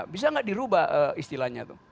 bisa tidak dirubah istilahnya